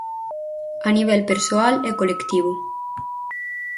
A nivel persoal e colectivo.